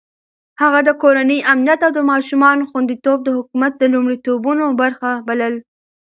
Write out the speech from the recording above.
هغه د کورنۍ امنيت او د ماشومانو خونديتوب د حکومت د لومړيتوبونو برخه بلله.